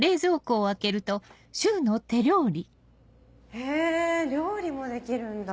へぇ料理もできるんだ